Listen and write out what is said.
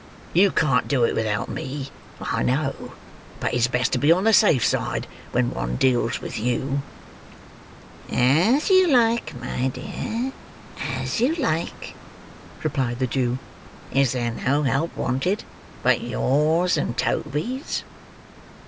You can't do it without me, I know; but it's best to be on the safe side when one deals with you." "As you like, my dear, as you like" replied the Jew. "Is there no help wanted, but yours and Toby's?"